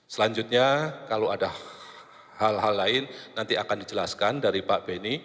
selanjutnya kalau ada hal hal lain nanti akan dijelaskan dari pak benny